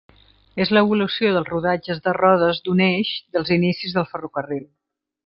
És l'evolució dels rodatges de rodes d'un eix dels inicis del ferrocarril.